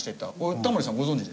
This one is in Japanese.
タモリさんご存じでした？